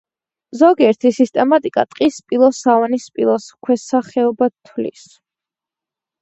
ზოგიერთი სისტემატიკა ტყის სპილოს სავანის სპილოს ქვესახეობად თვლის.